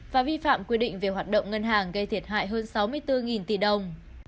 và vi phạm quy định về hoạt động ngân hàng gây thiệt hại hơn sáu mươi bốn tỷ đồng